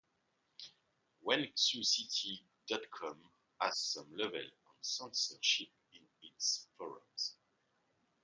Wenxuecity dot com has some level of censorship in its forums.